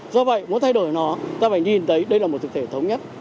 do vậy muốn thay đổi nó ta phải nhìn thấy đây là một thực thể thống nhất